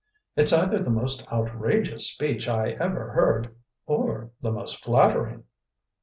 It's either the most outrageous speech I ever heard or the most flattering."